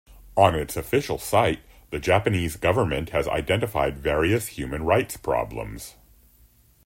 On its official site, the Japanese government has identified various human rights problems.